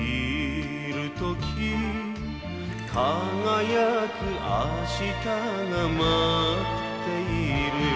「輝く明日が待っている」